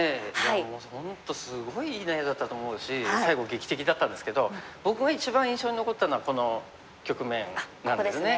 いやもう本当すごいいい内容だったと思うし最後劇的だったんですけど僕が一番印象に残ったのはこの局面なんですよね。